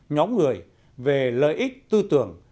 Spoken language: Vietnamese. nhóm người về lợi ích tư tưởng